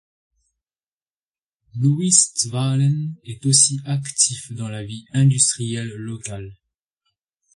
Louis Zwahlen est aussi actif dans la vie industrielle locale.